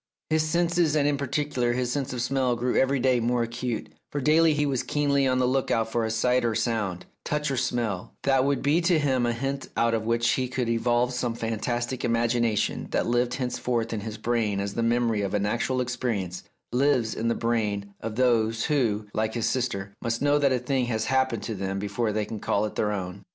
His senses, and in particular his sense of smell, grew every day more acute, for daily he was keenly on the look out for a sight or sound, a touch or smell, that would be to him a hint out of which he could evolve some fantastic imagination that lived henceforth in his brain as the memory of an actual experience lives in the brain of those who, like his sister, must know that a thing has happened to them before they can call it their own.